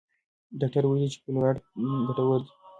ډاکټر ویلي دي چې فلورایډ ګټور دی.